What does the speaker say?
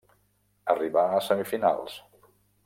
Arribà a semifinals.